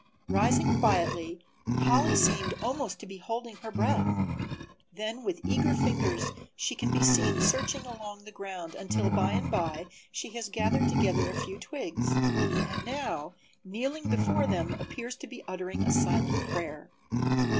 Rising quietly, Polly seemed almost to be holding her breath. Then with eager fingers she can be seen searching along the ground until by and by she has gathered together a few twigs, and now kneeling before them appears to be uttering a silent prayer.